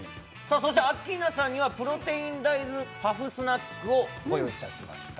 そしてアッキーナさんにはＰＲＯＴＥＩＮ大豆パフスナックをご用意いたしました